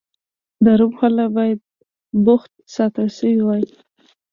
د روم خلک باید بوخت ساتل شوي وای